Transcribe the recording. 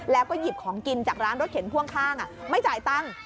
แล้วก็หยิบของกินจากร้านรถเข็นพ่วงข้างไม่จ่ายตังค์